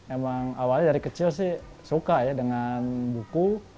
emang awalnya dari kecil sih suka ya dengan buku